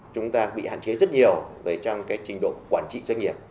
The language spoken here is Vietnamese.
chúng ta bị hạn chế rất nhiều về trong cái trình độ quản trị doanh nghiệp